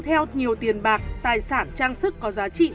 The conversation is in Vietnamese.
theo nhiều tiền bạc tài sản trang sức có giá trị